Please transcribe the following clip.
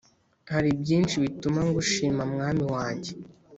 Haribyinshi bituma ngushima mwami wanjye